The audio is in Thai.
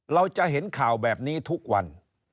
เราจะเห็นข่าวแบบนี้ทุกวัน